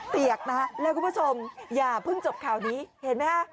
เปียกนะแล้วคุณผู้ชมพึ่งจบคราวนี้เห็นไหมครับ